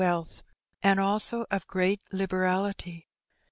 235 and also of great liberality.